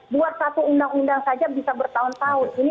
buat satu undang undang saja bisa bertahun tahun